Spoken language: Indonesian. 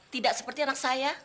tidak seperti anak saya